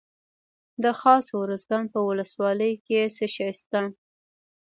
د خاص ارزګان په ولسوالۍ کې څه شی شته؟